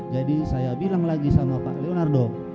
jadi saya bilang lagi sama pak leonardo